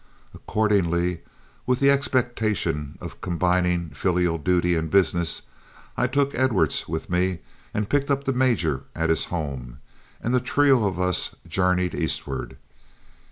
Accordingly with the expectation of combining filial duty and business, I took Edwards with me and picked up the major at his home, and the trio of us journeyed eastward.